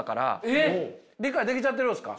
理解できちゃってるんですか。